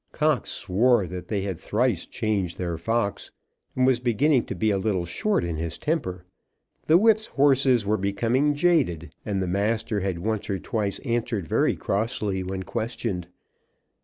Cox swore that they had thrice changed their fox, and was beginning to be a little short in his temper; the whips' horses were becoming jaded, and the master had once or twice answered very crossly when questioned.